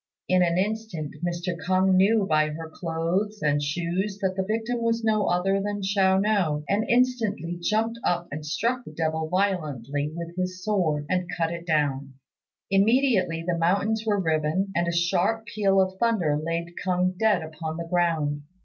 In an instant K'ung knew by her clothes and shoes that the victim was no other than Chiao no, and instantly jumping up he struck the devil violently with his sword, and cut it down. Immediately the mountains were riven, and a sharp peal of thunder laid K'ung dead upon the ground.